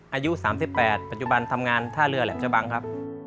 อายุ๓๘ปัจจุบันทำงานท่าเรือแหลมชะบังครับ